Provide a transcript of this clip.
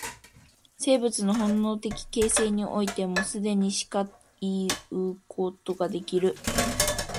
生物の本能的形成においても、既にしかいうことができる。